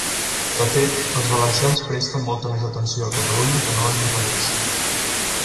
De fet, els valencians presten molta més atenció a Catalunya que no a l'inrevés.